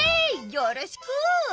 よろしく！